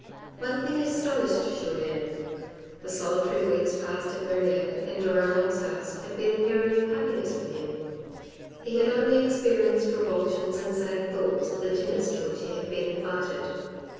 " One thing astonished Julien. The solitary weeks passed at Verrieres in de Renal's house had been a period of happiness for him. He had only experienced revulsions and sad thoughts at the dinners to which he had been invited.